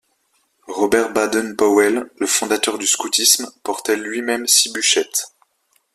Robert Baden-Powell, le fondateur du scoutisme, portait lui-même six buchettes.